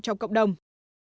trong cộng đồng